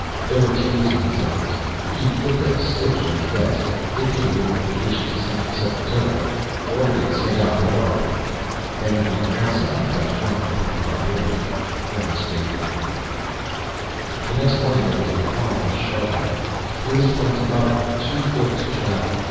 There were tears in his eyes. He flipped a switch on his desk, dictated the notification to Central Secretarial, ordered it sent out priority. Then he went groundside and got drunk on Hochar Brandy, Orne's favorite drink. The next morning there was a reply from Chargon: "Lewis Orne's mother too ill to travel.